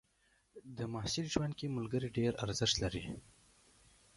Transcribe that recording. د محصل ژوند کې ملګري ډېر ارزښت لري.